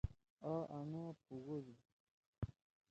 آ آنگا پُھوگودُو۔